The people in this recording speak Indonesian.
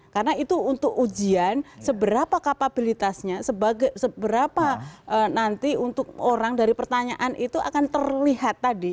karena itu untuk ujian seberapa kapabilitasnya seberapa nanti untuk orang dari pertanyaan itu akan terlihat tadi